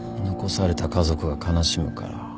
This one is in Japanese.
残された家族が悲しむから。